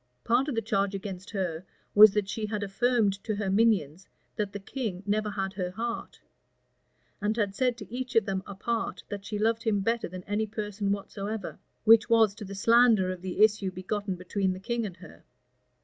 Part of the charge against her was that she had affirmed to her minions, that the king never had her heart; and had said to each of them apart, that she loved him better than any person whatsoever; "which was to the slander of the issue begotten between the king and her."